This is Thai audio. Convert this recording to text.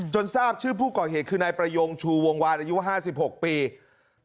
จนทราบชื่อผู้ก่อเหตุคือในประโยงชูวงวาดอายุว่า๕๖ปี